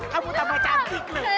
kamu tampak cantik loh